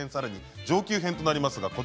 上級編になります。